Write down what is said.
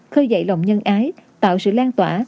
khơi dậy lòng nhân ái tạo sự lan tỏa